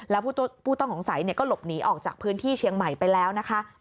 แล้วผู้ต้องสงสัยก็หลบหนีออกจากพื้นที่เชียงใหม่ไปแล้วนะคะ